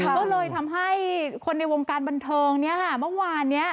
ก็เลยทำให้คนในวงการบันเทิงเมื่อวานนี้